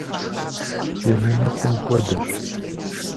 Елэныхъум хуэдэщ.